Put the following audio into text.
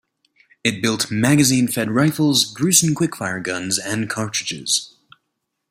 It built magazine-fed rifles, Gruson quick fire guns, and cartridges.